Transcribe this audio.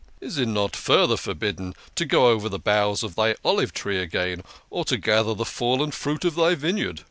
1 Is it not further forbidden to go over the boughs of thy olive tree again, or to gather the fallen fruit of thy vineyard?